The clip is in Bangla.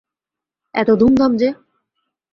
এত ধুমধাম যে!